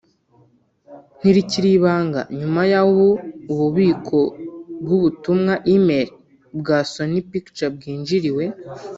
ntirikiri ibanga nyuma y’aho ububiko bw’ubutumwa (email) bwa Sony Pictures bwinjiriwe